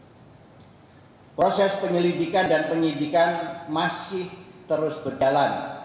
karena proses penyelidikan dan penyidikan masih terus berjalan